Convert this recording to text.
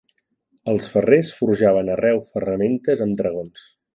Els ferrers forjaven arreu ferramentes am dragons